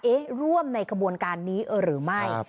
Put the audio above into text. ร่วมในกระบวนการนี้หรือไม่